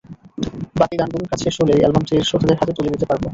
বাকি গানগুলোর কাজ শেষ হলেই অ্যালবামটি শ্রোতাদের হাতে তুলে দিতে পারব।